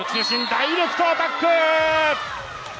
ダイレクトアタック。